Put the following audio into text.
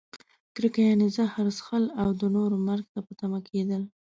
کرکه؛ یعنې زهر څښل او د نورو مرګ ته په تمه کیدل.